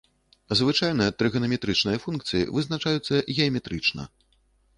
Звычайна трыганаметрычныя функцыі вызначаюцца геаметрычна.